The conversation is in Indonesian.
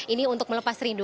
ini untuk melepas rindu